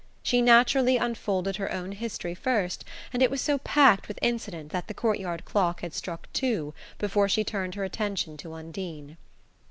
She naturally unfolded her own history first, and it was so packed with incident that the courtyard clock had struck two before she turned her attention to Undine.